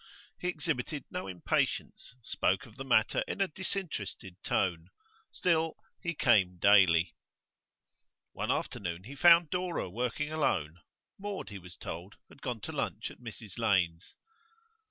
He exhibited no impatience, spoke of the matter in a disinterested tone; still, he came daily. One afternoon he found Dora working alone. Maud, he was told, had gone to lunch at Mrs Lane's.